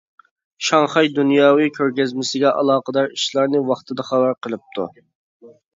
شاڭخەي دۇنياۋى كۆرگەزمىسىگە ئالاقىدار ئىشلارنى ۋاقتىدا خەۋەر قىلىپتۇ.